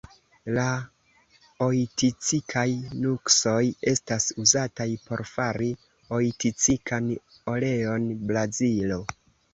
La oiticikaj nuksoj estas uzataj por fari oiticikan oleon (Brazilo).